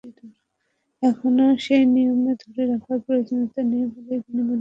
এখনো সেই নিয়ম ধরে রাখার প্রয়োজনীয়তা নেই বলেই তিনি মনে করেন।